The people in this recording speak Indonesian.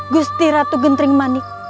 gusti ratu gentering manik